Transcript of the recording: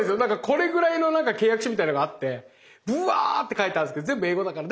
これぐらいの何か契約書みたいのがあってブワって書いてあるんですけど全部英語だから。